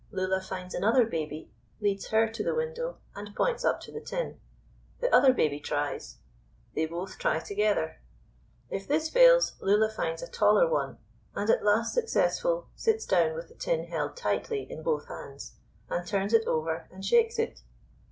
Lulla finds another baby, leads her to the window and points up to the tin. The other baby tries. They both try together; if this fails, Lulla finds a taller one, and at last successful, sits down with the tin held tightly in both hands, and turns it over and shakes it.